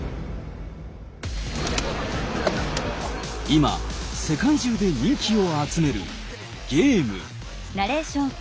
今世界中で人気を集めるゲーム。